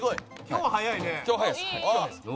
今日は早いです。